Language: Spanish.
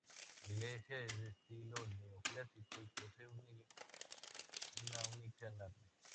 La iglesia es de estilo neoclásico y posee una única nave.